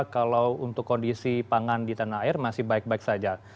kalau untuk kondisi pangan di tanah air masih baik baik saja